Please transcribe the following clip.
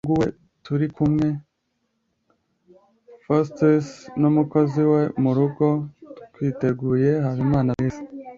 ni ukuvuga umuhungu we Turikumwe Foestus n’umukozi wo mu rugo Twitegure Habimana Felix